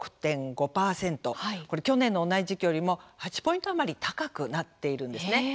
これ、去年の同じ時期よりも８ポイント余り高くなっているんですね。